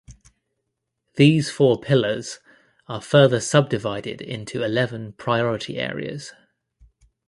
These four pillars are further subdivided into eleven priority areas.